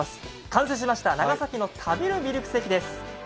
完成しました、長崎の食べるミルクセーキです。